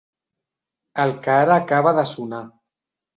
El que ara acaba de sonar.